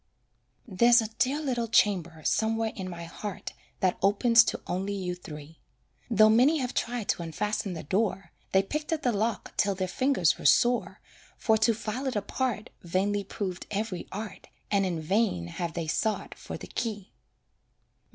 There's a dear little chamber somewhere in my heart That opens to only you three; Though many have tried to unfasten the door, They picked at the lock till their fingers were sore, For to file it apart Vainly proved every art, And in vain have they sought for the key.